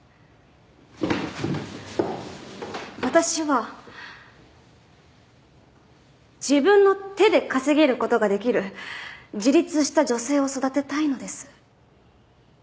私は自分の手で稼げる事ができる自立した女性を育てたいのです。